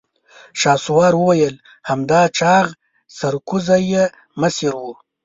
شهسوار وويل: همدا چاغ سرکوزی يې مشر و.